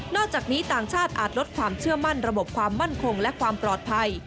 จากนี้ต่างชาติอาจลดความเชื่อมั่นระบบความมั่นคงและความปลอดภัย